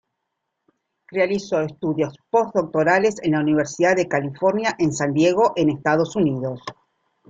Realizó estudios posdoctorales en la Universidad de California en San Diego en Estados Unidos.